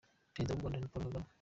Perezida w'u Rwanda ni Paul Kagame.